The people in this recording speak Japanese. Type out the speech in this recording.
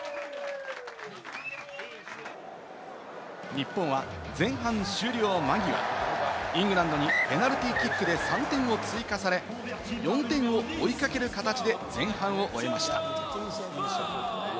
日本は前半終了間際、イングランドにペナルティーキックで３点を追加され、４点を追いかける形で前半を終えました。